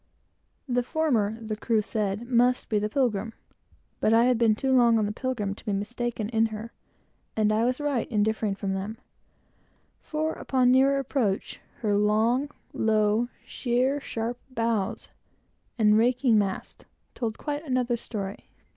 The former, the crew said must be the Pilgrim; but I had been too long in the Pilgrim to be mistaken in her, and I was right in differing from them; for, upon nearer approach, her long, low shear, sharp bows, and raking masts, told quite another story.